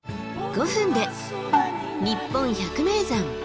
５分で「にっぽん百名山」。